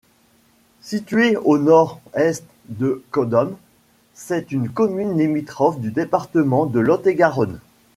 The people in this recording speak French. Située au nord-est de Condom, c'est une commune limitrophe du département de Lot-et-Garonne.